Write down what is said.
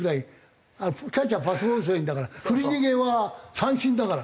キャッチャーパスボールすりゃいいんだから振り逃げは三振だから。